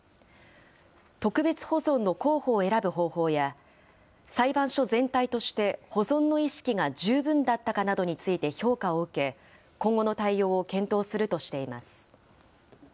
特別保存の候補を選ぶ方法や、裁判所全体として保存の意識が十分だったかなどについて評価を受け、今後の対応を検討するとしています。